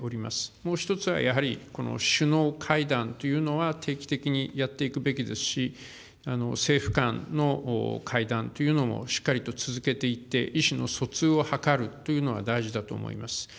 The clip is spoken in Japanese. もう１つはやはり、この首脳会談というのは定期的にやっていくべきですし、政府間の会談というのも、しっかりと続けていって、意思の疎通を図るというのは大事だと思います。